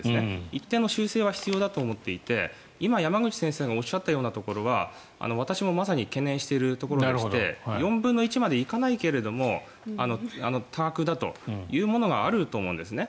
一定の修正は必要だと思っていて今、山口先生がおっしゃったようなところは私も懸念しているところでして４分の１までいかないけど多額だというものがあると思うんですね。